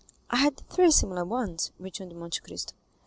"I had three similar ones," returned Monte Cristo.